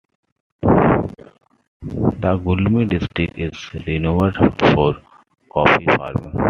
The Gulmi District is renowned for coffee farming.